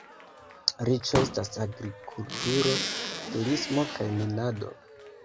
Riĉo estas agrikulturo, turismo kaj minado.